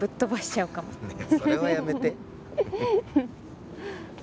ねえそれはやめて。